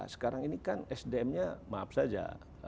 sekarang ini kan sdmnya maaf saja